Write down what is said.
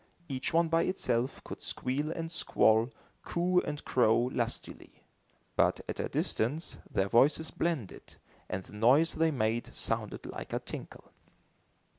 Each one by itself could squeal and squall, coo and crow lustily; but, at a distance, their voices blended and the noise they made sounded like a tinkle.